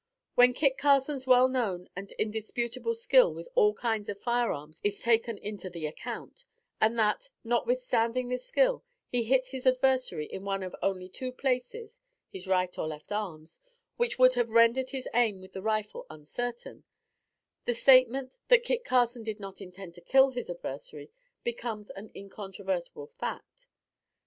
When Kit Carson's well known and indisputable skill with all kinds of fire arms is taken into the account; and that, notwithstanding this skill, he hit his adversary in one of only two places (his right or left arms) which would have rendered his aim with the rifle uncertain, the statement that Kit Carson did not intend to kill his adversary becomes an incontrovertible fact.